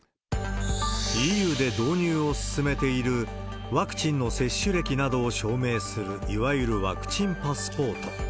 ＥＵで導入を進めている、ワクチンの接種歴などを証明する、いわゆるワクチンパスポート。